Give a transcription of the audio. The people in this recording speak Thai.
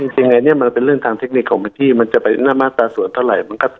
จริงอันนี้มันเป็นเรื่องทางเทคนิคของที่มันจะไปหน้ามาตราส่วนเท่าไหร่